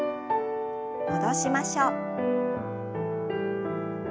戻しましょう。